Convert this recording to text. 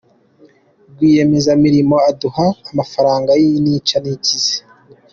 Rwiyemezamirimo aduha amafaranga y’intica ntikize.